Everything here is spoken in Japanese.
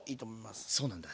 そうなんだ。